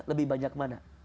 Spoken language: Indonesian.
lebih banyak mana